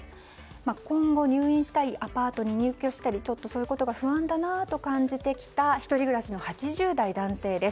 今後、入院したりアパートに入居したりそういうことが不安だなと感じてきた１人暮らしの８０代男性です。